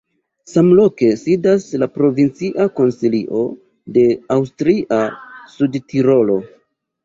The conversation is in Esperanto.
Samloke sidas la provincia konsilio de Aŭstrio-Sudtirolo.